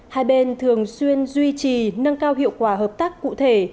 hai bên thường xuyên duy trì nâng cao hiệu quả hợp tác cụ thể